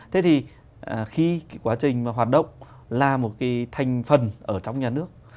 thế thì khi quá trình mà hoạt động là một cái thành phần ở trong nhà nước